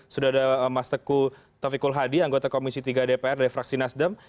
sudah ada mas taufik kulhadi anggota komisi tiga dpr dari fraksi nasdem